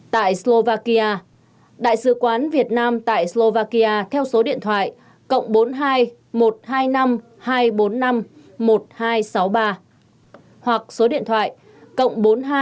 tại slovakia đại sứ quán việt nam tại slovakia theo số điện thoại cộng bốn mươi hai một trăm hai mươi năm hai trăm bốn mươi năm một nghìn hai trăm sáu mươi ba hoặc số điện thoại cộng bốn mươi hai một trăm chín mươi một năm trăm bốn mươi một chín nghìn năm trăm sáu mươi tám